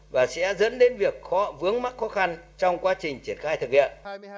và sẽ dẫn đến việc vướng mắc khó khăn trong quá trình triển khai thực hiện